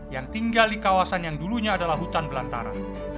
yang tinggal di kawasan yang dulunya adalah hutan belantara